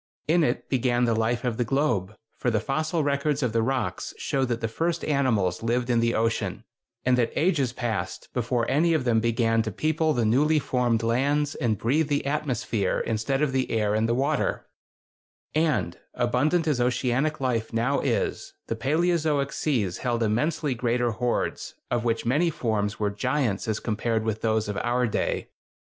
In it began the life of the globe, for the fossil records of the rocks show that the first animals lived in the ocean, and that ages passed before any of them began to people the newly formed lands and breathe the atmosphere instead of the air in the water; and, abundant as oceanic life now is, the paleozoic seas held immensely greater hordes, of which many forms were giants as compared with those of our day.